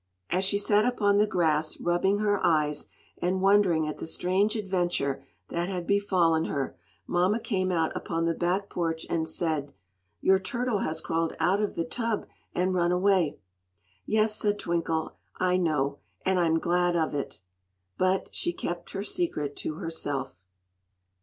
As she sat upon the grass rubbing her eyes and wondering at the strange adventure that had befallen her, mamma came out upon the back porch and said: "Your turtle has crawled out of the tub and run away." "Yes," said Twinkle, "I know; and I'm glad of it!" But she kept her secret to herself.